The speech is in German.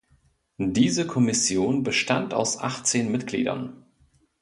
Diese Kommission bestand aus achtzehn Mitgliedern.